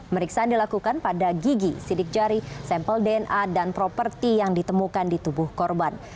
meriksaan dilakukan pada gigi sidik jari sampel dna dan properti yang ditemukan di tubuh korban